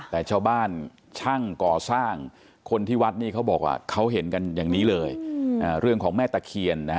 แต่ชาวบ้านช่างกลอช่างคนที่วัดเนี่ยเขาบอกว่าเขาเห็นกันอย่างนี้เลย